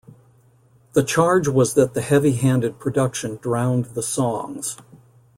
The charge was that the heavy-handed production drowned the songs.